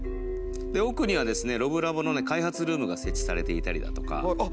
奥にはですねロブラボの開発ルームが設置されていたりだとか。